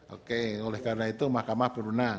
oke oleh karena itu mahkamah berunang